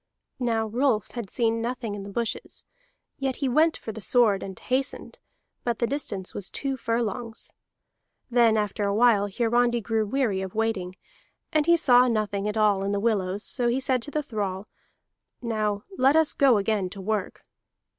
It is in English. Now Rolf had seen nothing in the bushes; yet he went for the sword, and hastened, but the distance was two furlongs. Then after a while Hiarandi grew weary of waiting, and he saw nothing at all in the willows, so he said to the thrall: "Now let us go again to work."